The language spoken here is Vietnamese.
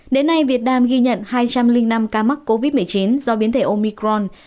đến nay việt nam ghi nhận hai trăm linh năm ca mắc covid một mươi chín do biến thể omicron